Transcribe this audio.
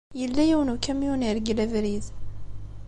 Yella yiwen n ukamyun yergel abrid.